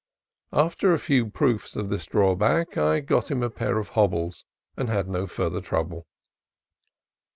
After a few proofs of this drawback I got him a pair of hobbles, and had no further trouble.